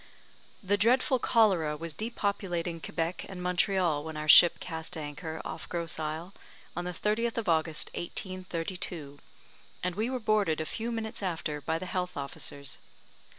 The dreadful cholera was depopulating Quebec and Montreal when our ship cast anchor off Grosse Isle, on the 30th of August 1832, and we were boarded a few minutes after by the health officers.